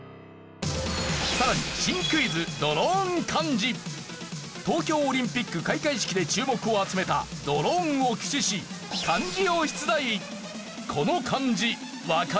さらに東京オリンピック開会式で注目を集めたドローンを駆使し漢字を出題。